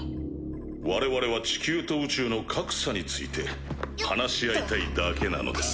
我々は地球と宇宙の格差について話し合いたいだけなのです。